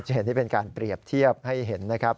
เห็นนี่เป็นการเปรียบเทียบให้เห็นนะครับ